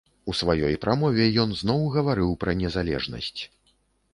У сваёй прамове ён зноў гаварыў пра незалежнасць.